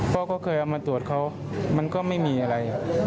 พ่อก็เคยเอามาตรวจเขามันก็ไม่มีอะไร